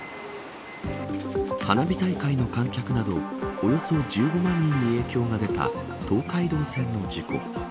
花火大会の観客などおよそ１５万人に影響が出た東海道線の事故。